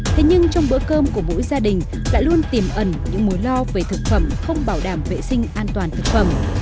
thế nhưng trong bữa cơm của mỗi gia đình lại luôn tiềm ẩn những mối lo về thực phẩm không bảo đảm vệ sinh an toàn thực phẩm